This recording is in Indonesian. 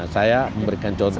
saya memberikan contoh